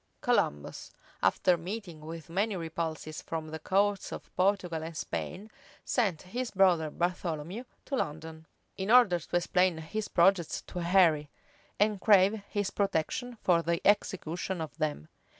Columbus, after meeting with many repulses from the courts of Portugal and Spain sent his brother Bartholomew to London, in order to explain his projects to Henry, and crave his protection for the execution of them.